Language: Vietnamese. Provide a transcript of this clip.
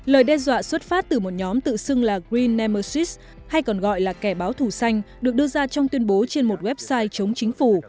lời đe dọa xuất phát từ một nhóm tự xưng là green nmersys hay còn gọi là kẻ báo thù xanh được đưa ra trong tuyên bố trên một website chống chính phủ